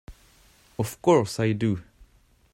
Of course I do!